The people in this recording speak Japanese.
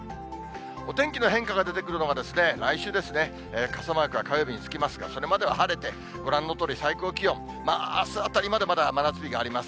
お天気の変化が出てくるのが来週ですね、傘マークは火曜日につきますが、それまでは晴れて、ご覧のとおり最高気温、まあ、あすあたりまでまだ真夏日があります。